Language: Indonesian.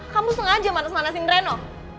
kamu sengaja manas manasin reno